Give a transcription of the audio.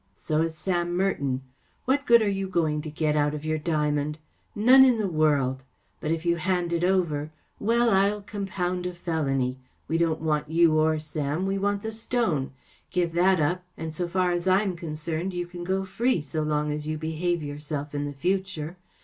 So is Sam Merton. What good are you going to get out of your diamond ? None in the world. But if you hand it over‚ÄĒwell. I'll com¬ pound a felony. We don't want you or Sam. We want the stone. Give that up, and so far as I am concerned you can go free so long as you behave yourself in the future.